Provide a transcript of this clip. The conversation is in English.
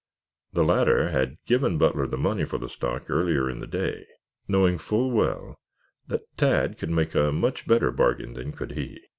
The latter had given Butler the money for the stock earlier in the day, knowing full well that Tad could make a much better bargain than could he.